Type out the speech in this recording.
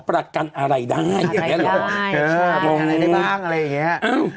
อ๋อประกันอะไรได้อะไรได้ใช่อะไรได้บ้างอะไรอย่างเงี้ยอ้าว